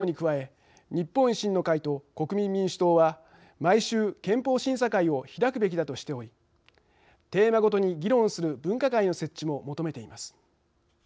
自民・公明の与党に加え日本維新の会と国民民主党は毎週、憲法審査会を開くべきだとしておりテーマごとに議論する分科会の設置も求めています。